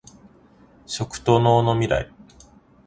食と農のミライ